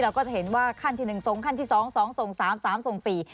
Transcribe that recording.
ก็จะเห็นว่าขั้นที่หนึ่งส่งขั้นที่สองสองส่งสามสามส่งสี่